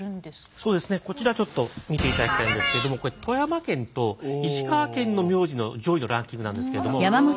そうですねこちらちょっと見ていただきたいんですけれどもこれ富山県と石川県の名字の上位のランキングなんですけども。